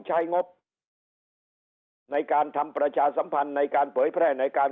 ใช้งบในการทำประชาสัมพันธ์ในการเผยแพร่ในการ